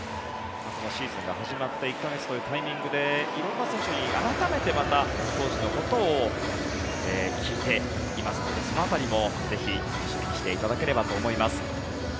このシーズンが始まって１か月というタイミングで色んな選手に改めて当時のことを聞いていますのでその辺りもぜひ楽しみにしていただければと思います。